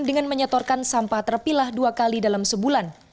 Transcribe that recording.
dengan menyetorkan sampah terpilah dua kali dalam sebulan